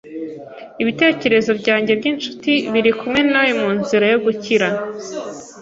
Ibitekerezo byanjye byinshuti biri kumwe nawe munzira yo gukira